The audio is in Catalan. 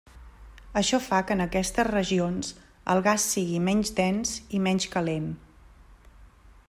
Això fa que en aquestes regions el gas sigui menys dens i menys calent.